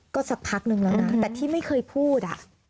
ก็สักพักนึงแล้วนะแต่ที่ไม่เคยพูด